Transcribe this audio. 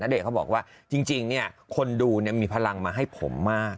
ณเดชเขาบอกว่าจริงจริงเนี้ยคนดูเนี้ยมีพลังมาให้ผมมาก